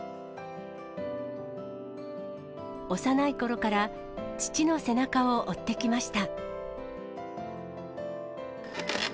幼いころから、父の背中を追ってきました。